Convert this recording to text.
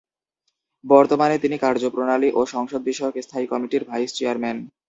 বর্তমানে তিনি কার্যপ্রণালী ও সংসদ বিষয়ক স্থায়ী কমিটির ভাইস-চেয়ারম্যান।